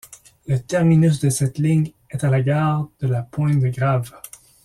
Le terminus de cette ligne est à la gare de la pointe de Grave.